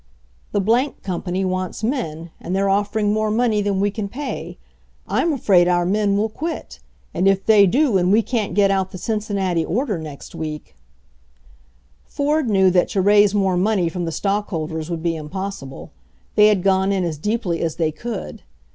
The Company wants men and they're offer ing more money than we can pay. I'm afraid our men will quit, and if they do and we can't get out the Cincinnati order next week " Ford knew that to raise more money from the stockholders would be impossible. They had gone in as deeply as they could.